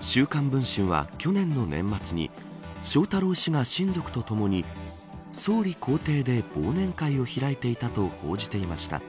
週刊文春は去年の年末に翔太郎氏が親族とともに総理公邸で忘年会を開いていたと報じていました。